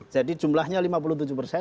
jadi jumlahnya lima puluh tujuh persen